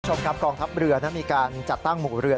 ชมครับกองทัพเรือได้มีการจัดขับหมู่เรือ